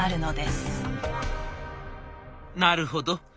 「なるほど」。